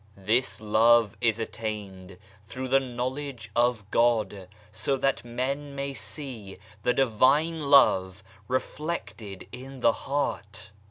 This love is attained through the knowledge of God, so that men see the Divine Love reflected in the heart.